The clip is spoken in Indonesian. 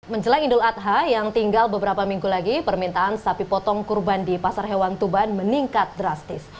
menjelang idul adha yang tinggal beberapa minggu lagi permintaan sapi potong kurban di pasar hewan tuban meningkat drastis